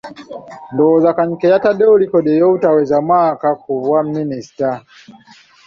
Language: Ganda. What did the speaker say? Ndowooza Kanyike yataddewo likodi ey’obutaweza mwaka ku bwa Minisita.